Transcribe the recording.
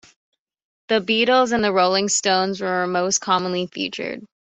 The Beatles and The Rolling Stones were most commonly featured.